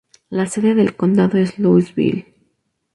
La sede del condado es Louisville.